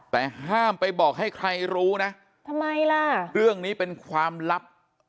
แต่ห้ามไปบอกให้ใครรู้นะทำไมล่ะเรื่องนี้เป็นความลับ